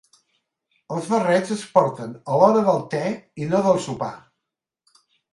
Els barrets es porten a l'hora del te i no del sopar.